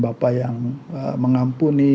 bapak yang mengampuni